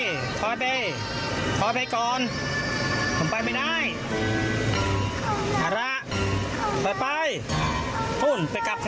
เอ้ยจักถอยไปถอยไปอยากถอยไปก็ถอยไปเอ้า